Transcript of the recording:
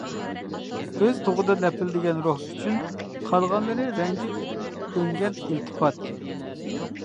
ئۆز تۇغىدا لەپىلدىگەن روھ ئۈچۈن، قالغانلىرى رەڭگى ئۆڭگەن ئىلتىپات.